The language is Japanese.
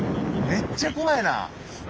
めっちゃ怖いな！